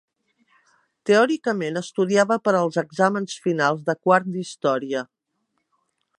Teòricament estudiava per als exàmens finals de quart d'Història.